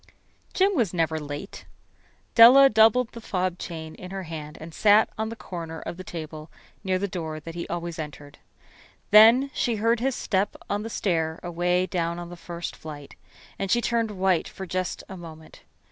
Jim was never late. Della doubled the fob chain in her hand and sat on the corner of the table near the door that he always entered. Then she heard his step on the stair away down on the first flight, and she turned white for just a moment.